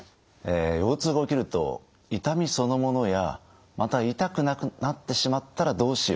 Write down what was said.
腰痛が起きると痛みそのものやまた痛くなってしまったらどうしよう。